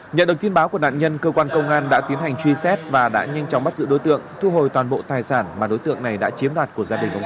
nhận được tin báo của nạn nhân cơ quan công an đã tiến hành truy xét và đã nhanh chóng bắt giữ đối tượng thu hồi toàn bộ tài sản mà đối tượng này đã chiếm đoạt của gia đình ông